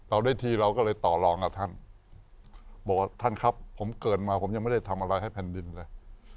เราได้ทีเราก็เลยต่อรองกับท่านบอกว่าท่านครับผมเกิดมาผมยังไม่ได้ทำอะไรให้แผ่นดินเลย